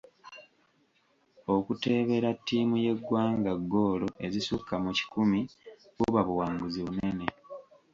Okuteebera ttiimu y'eggwanga ggoolo ezisukka mu kikumi buba buwanguzi bunene.